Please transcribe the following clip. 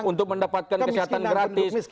untuk mendapatkan kesehatan gratis